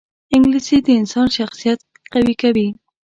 انګلیسي د انسان شخصیت قوي کوي